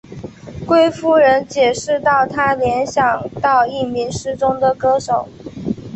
贵夫人解释道她联想到一名失踪的歌手。